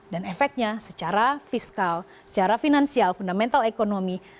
dan efeknya secara fiskal secara finansial fundamental ekonomi